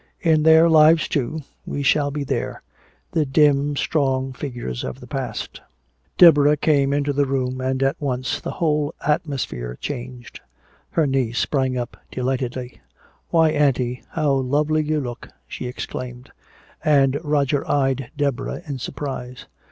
"In their lives too we shall be there, the dim strong figures of the past." Deborah came into the room, and at once the whole atmosphere changed. Her niece sprang up delightedly. "Why, Auntie, how lovely you look!" she exclaimed. And Roger eyed Deborah in surprise.